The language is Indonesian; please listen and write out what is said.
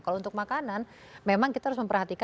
kalau untuk makanan memang kita harus memperhatikan